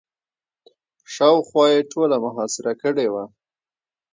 شاوخوا یې ټوله محاصره کړې وه.